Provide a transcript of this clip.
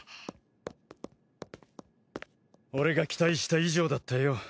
俺が期待した以上だったよ。